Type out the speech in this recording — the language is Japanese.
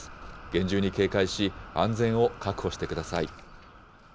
厳重に警戒し、安全を確保してください。